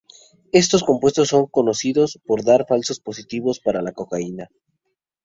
Estos compuestos son conocidos por dar falsos positivos para la cocaína.